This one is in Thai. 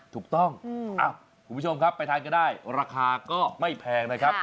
ถูกต้องคุณผู้ชมครับไปทานก็ได้ราคาก็ไม่แพงนะครับ